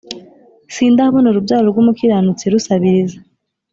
Sindabona urubyaro rwumukiranutsi rusabiriza